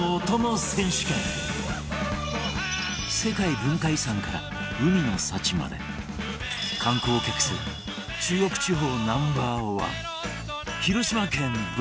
世界文化遺産から海の幸まで観光客数中国地方 Ｎｏ．１ 広島県 ＶＳ